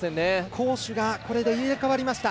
攻守がこれで入れ代わりました。